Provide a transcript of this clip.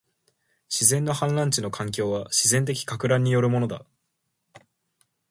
自然の氾濫地の環境は、自然的撹乱によるものだ